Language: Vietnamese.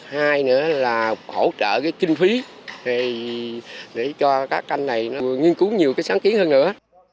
hai nữa là hỗ trợ cái kinh phí để cho các anh này nghiên cứu nhiều cái sáng kiến hơn nữa